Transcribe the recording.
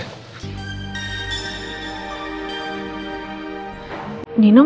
aku tinggal sebentar ya